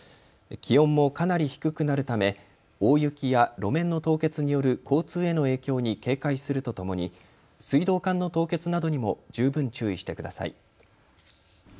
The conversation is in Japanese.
気温もかなり低くなるため大雪や路面の凍結による交通への影響に警戒するとともに水道管の凍結などにも十分注意してください。